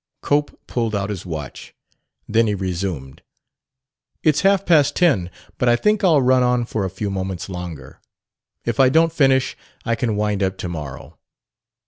Cope pulled out his watch. Then he resumed. "It's half past ten, but I think I'll run on for a few moments longer. If I don't finish, I can wind up to morrow.